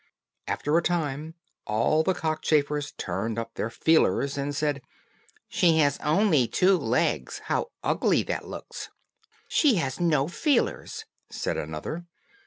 After a time, all the cockchafers turned up their feelers, and said, "She has only two legs! how ugly that looks." "She has no feelers," said another.